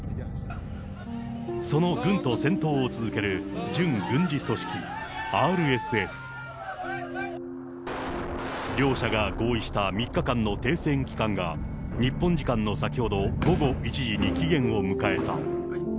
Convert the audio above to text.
その軍と戦闘を続ける準軍事組織ＲＳＦ。両者が合意した３日間の停戦期間が、日本時間の先ほど午後１時に期限を迎えた。